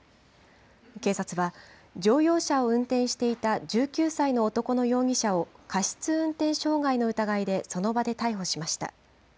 警察は、乗用車を運転していた１９歳の男の容疑者を過失運転傷害の疑いでその場で逮捕しました。